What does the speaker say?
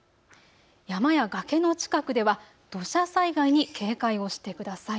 山や崖の近くでは土砂災害に警戒をしてください。